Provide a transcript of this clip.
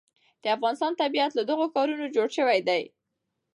د افغانستان طبیعت له دغو ښارونو جوړ شوی دی.